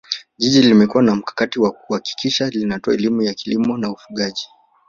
Jiji limekuwa na mkakati wa kuhakikisha linatoa elimu ya kilimo na ufugaji